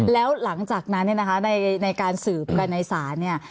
แล้วหลังจากนั้นเนี่ยนะคะในการสืบกันในศาลเนี่ย